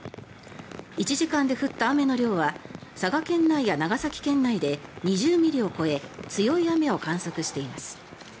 １時間で降った雨の量は佐賀県内や長崎県内で２０ミリを超え強い雨を観測しています。